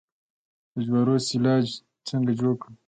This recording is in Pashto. د جوارو سیلاج څنګه جوړ کړم؟